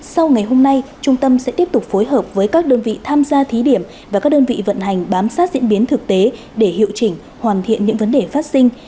sau ngày hôm nay trung tâm sẽ tiếp tục phối hợp với các đơn vị tham gia thí điểm và các đơn vị vận hành bám sát diễn biến thực tế để hiệu chỉnh hoàn thiện những vấn đề phát sinh